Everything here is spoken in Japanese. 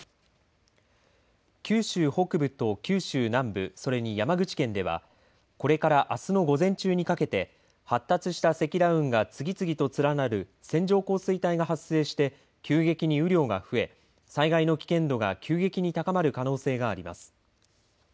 九州北部と九州南部、それに山口県ではこれからあすの午前中にかけて発達した積乱雲が次々と連なる線状降水帯が発生して急激に雨量が増え災害の危険度が急激に高まる可能性があります。